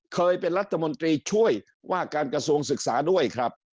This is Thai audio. เคยเป็นรัฐมนตรีช่วยว่าการกระทรวงศึกษาด้วยครับ